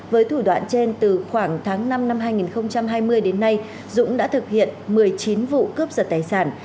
với thủ đoạn trên từ khoảng tháng năm năm hai nghìn hai mươi đến nay dũng đã thực hiện một mươi chín vụ cướp giật tài sản